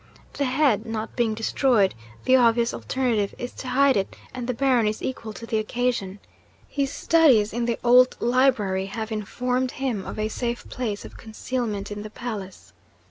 The head not being destroyed, the obvious alternative is to hide it and the Baron is equal to the occasion. His studies in the old library have informed him of a safe place of concealment in the palace.